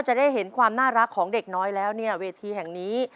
จะได้เห็นความน่ารักของเด็กน้อยแล้วเนี่ยเวทีแห่งนี้